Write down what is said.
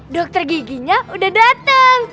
dokter giginya udah dateng